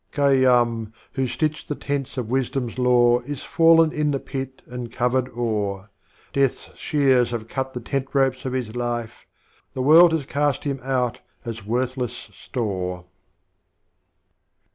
Khayyiim, who stitched the Tents of Wisdom's Lore, Is fallen in the Pit and covered o'er; Death's Shears have cut the Tent ropes of his Life, The World has cast him out as worthless Store.'